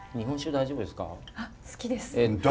大好きです！